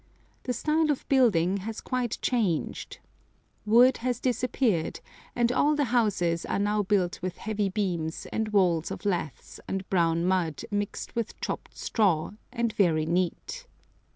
The style of building has quite changed. Wood has disappeared, and all the houses are now built with heavy beams and walls of laths and brown mud mixed with chopped straw, and very neat.